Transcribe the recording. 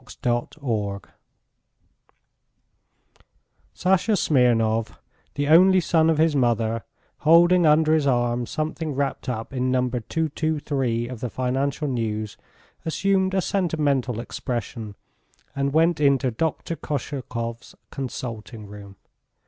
A WORK OF ART SASHA SMIRNOV, the only son of his mother, holding under his arm, something wrapped up in No. 223 of the Financial News, assumed a sentimental expression, and went into Dr. Koshelkov's consulting room.